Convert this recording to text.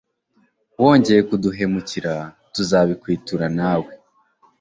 Wongeye kuduhemukira tuza bikwitura nawe